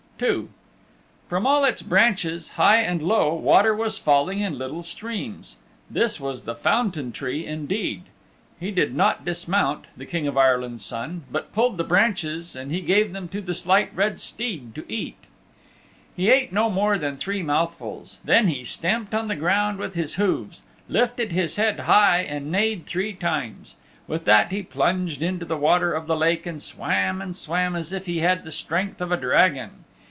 II From all its branches, high and low, water was falling in little streams. This was the Fountain Tree indeed. He did not dismount, the King of Ireland's Son, but pulled the branches and he gave them to the Slight Red Steed to eat. He ate no more than three mouthfuls. Then he stamped on the ground with his hooves, lifted his head high and neighed three times. With that he plunged into the water of the Lake and swam and swam as if he had the strength of a dragon.